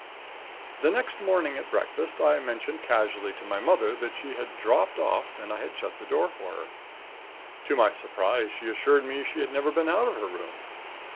"The next morning at breakfast, I mentioned casually to my mother that she had 'dropped off,' and I had shut the door for her. To my surprise, she assured me she had never been out of her room.